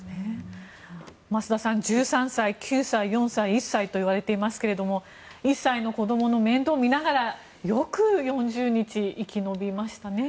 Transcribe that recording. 増田さん、１３歳、９歳４歳、１歳といわれていますが１歳の子どもの面倒を見ながらよく４０日生き延びましたね。